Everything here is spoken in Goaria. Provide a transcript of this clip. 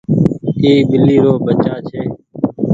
اي ٻلي رو ٻچآ ڇي۔